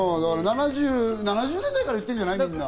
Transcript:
７０年代から言ってるんじゃない？